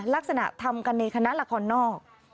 ลักษณะทำกันในคณะละครนอก